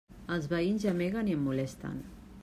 Els veïns gemeguen i em molesten.